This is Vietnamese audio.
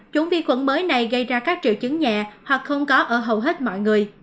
chủng vi khuẩn mới này gây ra các triệu chứng nhẹ hoặc không có ở hầu hết mọi người